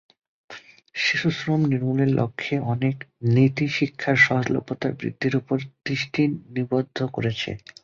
শিশুশ্রম নির্মূলের লক্ষ্যে অনেক নীতি শিক্ষার সহজলভ্যতা বৃদ্ধির উপর দৃষ্টি নিবদ্ধ করেছে।